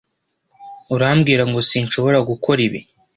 Urambwira ngo sinshobora gukora ibi?